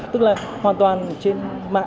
tức là hoàn toàn trên